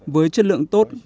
với chất lượng tốt